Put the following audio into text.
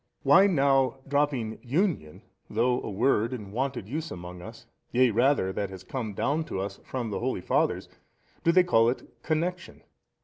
A. Why now dropping union, though a word in wonted use amongst us, yea rather that has come down to us from the holy Fathers, do they call it connection?